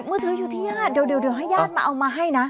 มือถืออยู่ที่ญาติเดี๋ยวให้ญาติมาเอามาให้นะ